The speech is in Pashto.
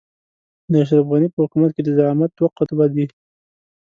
د اشرف غني په حکومت کې د زعامت دوه قطبه دي.